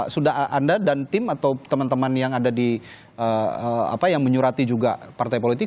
sudah anda dan tim atau teman teman yang ada di apa yang menyurati juga partai politik